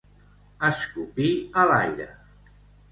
Escopir a l'aire.